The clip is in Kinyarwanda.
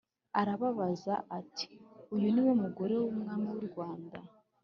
arabaza ati"uyu niwe mugore wumwami w’irwanda?"